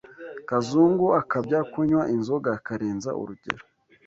Kazungu akabya kunywa inzoga akarenza urugero